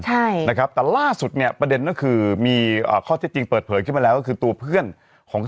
ใช่นะครับแต่ล่าสุดเนี่ยประเด็นก็คือมีข้อเท็จจริงเปิดเผยขึ้นมาแล้วก็คือตัวเพื่อนของ